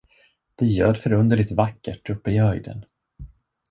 Det ljöd förunderligt vackert uppe i höjden.